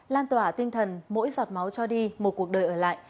lan tỏa tinh thần mỗi giọt máu cho đi một cuộc đời ở lại